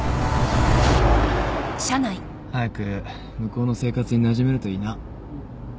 早く向こうの生活になじめるといいな